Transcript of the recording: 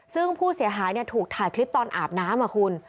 ซึ่งผู้เสียหายถูกถ่ายคลิปตอนอาบน้ำอ่ะคุณ